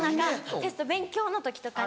テスト勉強の時とかに。